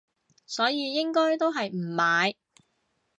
所以應該都係唔買